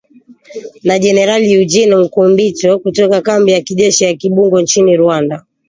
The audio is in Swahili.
Na Generali Eugene Nkubito kutoka kambi ya kijeshi ya Kibungo nchini Rwanda